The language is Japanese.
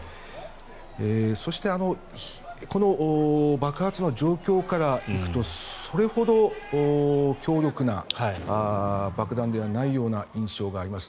そしてこの爆発の状況からいくとそれほど強力な爆弾ではないような印象があります。